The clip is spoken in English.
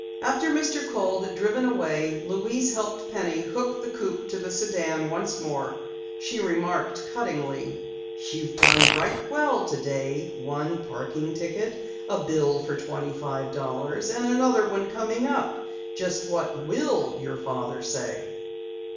After Mr. Kohl had driven away, Louise helped Penny hook the coupe to the sedan once more. She remarked cuttingly: "You've done right well today. One parking ticket, a bill for twenty five dollars, and another one coming up. Just what will your father say?"